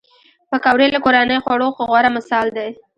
پکورې له کورني خوړو غوره مثال دی